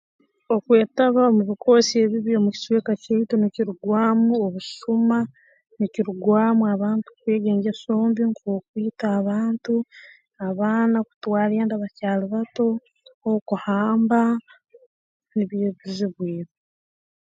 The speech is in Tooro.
Okwetaba mu bikoosi ebibi omu kicweka kyaitu nikirugwamu obusuma nikirugwamu abantu kwega engeso mbi nk'okwita abantu, abaana kutwara enda bakyali bato okuhamba nibyo ebizibu ebi